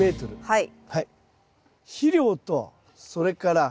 はい。